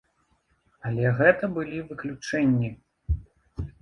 Але гэта былі выключэнні.